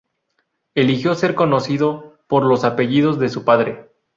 Eligió ser conocido por los apellidos de su padre.